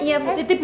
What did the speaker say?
aduh aduh aduh